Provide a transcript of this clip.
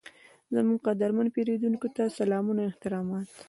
زموږ قدرمن پیرودونکي ته سلامونه او احترامات،